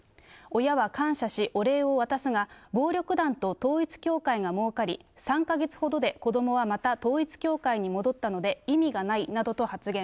親は感謝し、お礼を渡すが、暴力団と統一教会がもうかり、３か月ほどで子どもはまた統一教会に戻ったので、意味がないなどと発言。